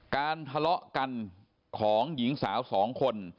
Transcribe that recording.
การทะเลาะกันของหญิงสาวสองคน